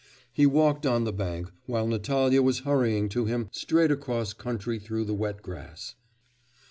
He walked on the bank, while Natalya was hurrying to him straight across country through the wet grass.